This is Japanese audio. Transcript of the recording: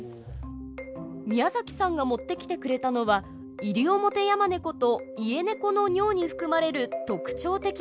宮崎さんが持ってきてくれたのはイリオモテヤマネコとイエネコの尿に含まれる特徴的なニオイの成分。